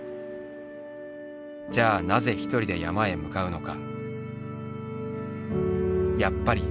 じゃあなぜ一人で山へ向かうのか」。